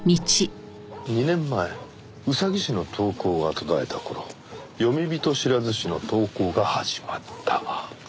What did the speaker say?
２年前ウサギ氏の投稿が途絶えた頃詠み人知らず氏の投稿が始まった。